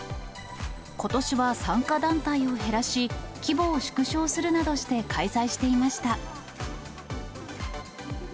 ことしは参加団体を減らし、規模を縮小するなどして開催していました。